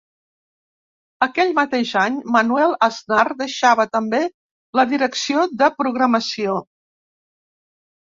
Aquest mateix any, Manuel Aznar deixava també la direcció de programació.